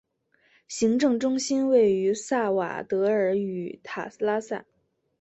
行政中心位于萨瓦德尔与塔拉萨。